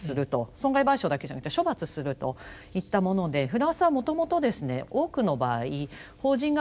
損害賠償だけじゃなくて処罰するといったものでフランスはもともとですね多くの場合法人が関与した犯罪についてはですね